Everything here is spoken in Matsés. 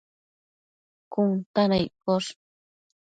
cun ta na iccosh